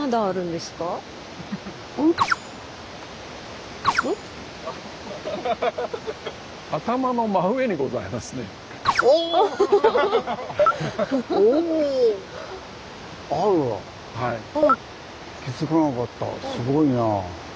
すごいなあ。